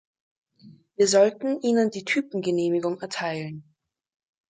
Wir sollten ihnen die Typengenehmigung erteilen.